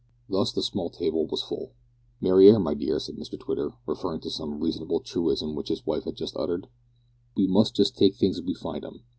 Thus the small table was full. "Mariar, my dear," said Mr Twitter, referring to some remarkable truism which his wife had just uttered, "we must just take things as we find 'em.